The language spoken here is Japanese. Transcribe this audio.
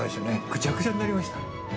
ぐちゃぐちゃになりました。